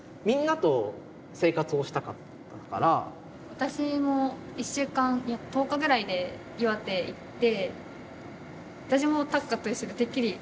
私も１週間いや１０日ぐらいで岩手行って。